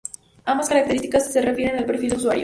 Ambas características se refieren al perfil del usuario.